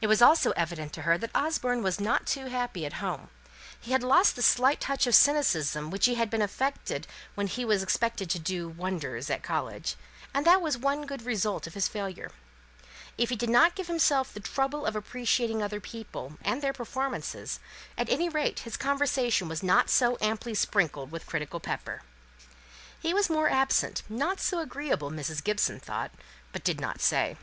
It was also evident to her that Osborne was not too happy at home. He had lost the slight touch of cynicism which he had affected when he was expected to do wonders at college; and that was one good result of his failure. If he did not give himself the trouble of appreciating other people, and their performances, at any rate his conversation was not so amply sprinkled with critical pepper. He was more absent, not so agreeable, Mrs. Gibson thought, but did not say.